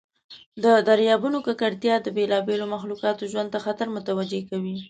د دریابونو ککړتیا د بیلابیلو مخلوقاتو ژوند ته خطر متوجه کوي.